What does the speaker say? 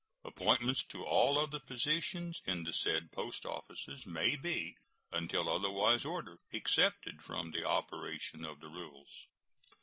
Appointments to all other positions in the said post offices may be, until otherwise ordered, excepted from the operation of the rules.